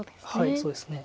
そうですね。